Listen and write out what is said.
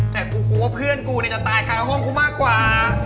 แต่กูกลัวว่าเพื่อนกูเนี่ยจะตายค้าห้องกูมากกว่า